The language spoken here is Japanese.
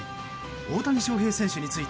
大谷翔平選手について